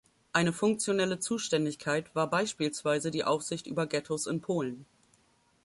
Eine funktionelle Zuständigkeit war beispielsweise die Aufsicht über Ghettos in Polen.